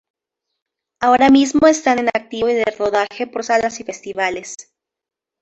Ahora mismo están en activo y de rodaje por salas y festivales.